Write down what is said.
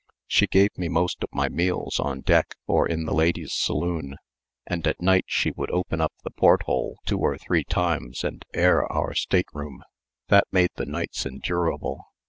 She gave me most of my meals on deck or in the ladies' saloon, and at night she would open the porthole two or three times and air our stateroom; that made the nights endurable.